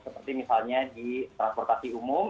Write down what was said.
seperti misalnya di transportasi umum